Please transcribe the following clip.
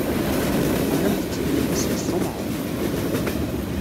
Tellam tetteddnem-d seg tṣumɛa.